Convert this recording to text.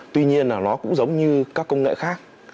tuy nhiên là nó cũng giống như các công nghệ khác